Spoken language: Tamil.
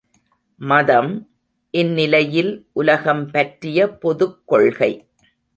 மதம், இந்நிலையில் உலகம் பற்றிய பொதுக் கொள்கை.